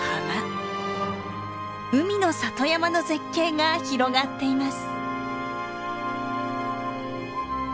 海の里山の絶景が広がっています。